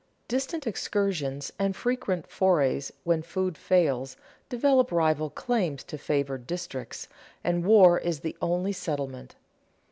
Distant excursions and frequent forays, when food fails, develop rival claims to favored districts, and war is the only settlement.